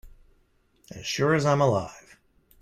As sure as I am alive.